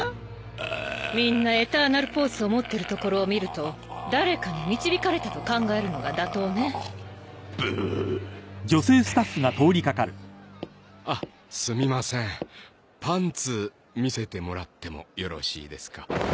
みんなエターナルポースを持ってるところを見ると誰かに導かれたと考えるのが妥当ねあっすみませんパンツ見せてもらってもよろしいですか？